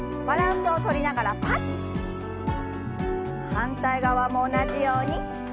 反対側も同じように。